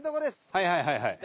はいはいはいはい。